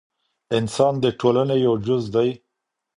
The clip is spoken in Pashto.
انسان د ټولني یو جز دی.